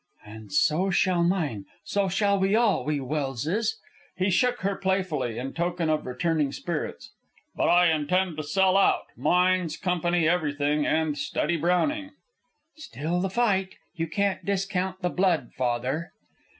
"And so shall mine. So shall we all, we Welses." He shook her playfully, in token of returning spirits. "But I intend to sell out, mines, Company, everything, and study Browning." "Still the fight. You can't discount the blood, father."